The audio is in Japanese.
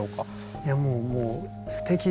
いやもうもうすてきですよね。